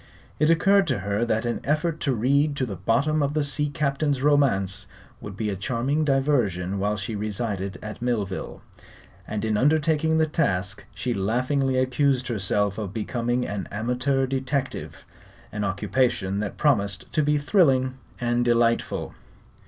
It occurred to her that an effort to read to the bottom of the sea captain's romance would be a charming diversion while she resided at Millville, and in undertaking the task she laughingly accused herself of becoming an amateur detective an occupation that promised to be thrilling and delightful.